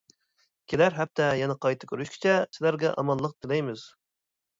كېلەر ھەپتە يەنە قايتا كۆرۈشكىچە سىلەرگە ئامانلىق تىلەيمىز.